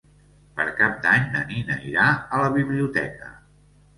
Per Cap d'Any na Nina irà a la biblioteca.